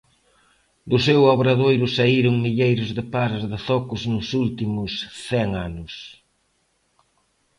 Do seu obradoiro saíron milleiros de pares de zocos nos últimos cen anos.